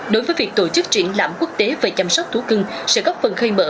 đối với việc tổ chức triển lãm quốc tế về chăm sóc thú cưng sẽ góp phần khơi mở